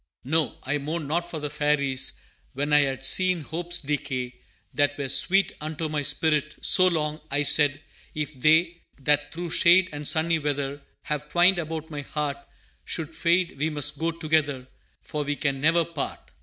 No; I mourned not for the Fairies When I had seen hopes decay, That were sweet unto my spirit So long; I said, 'If they, That through shade and sunny weather Have twined about my heart, Should fade, we must go together, For we can never part!'